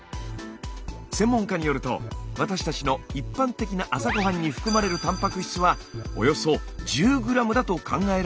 専門家によると私たちの一般的な朝ごはんに含まれるたんぱく質はおよそ１０ｇだと考えられるそうです。